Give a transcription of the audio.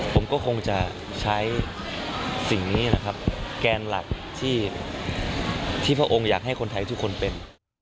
ผมก็คงจะใช้สิ่งนี้แหละครับแกนหลักที่พระองค์อยากให้คนไทยทุกคนเป็น